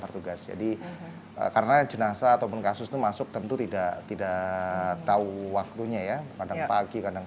bertugas jadi karena jenazah ataupun kasus itu masuk tentu tidak tidak tahu waktunya ya kadang pagi kadang